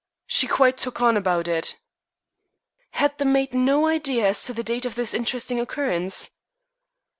She quite took on about it." "Had the maid no idea as to the date of this interesting occurrence?"